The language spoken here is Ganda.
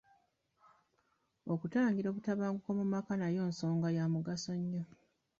Okutangira obutabanguko mu maka nayo nsonga ya mugaso nnyo.